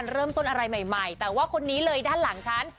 เริ่มต้นอะไรใหม่แต่ว่าคนนี้เลยด้านหลังฉัน